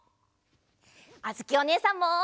あづきおねえさんも。